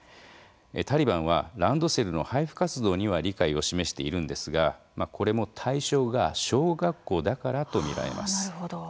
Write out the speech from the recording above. タリバンはランドセルの配布活動には理解を示しているんですがこれも対象が小学校だからと見られます。